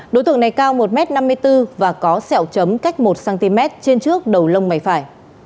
đối tượng này cao một m năm mươi bốn và có sẹo chấm cách một cm trên trước đầu lông mày phải